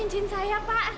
itu cincin saya pak